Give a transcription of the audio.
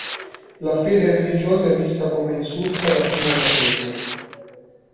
La fede religiosa è vista come insulsa da chi non la segue.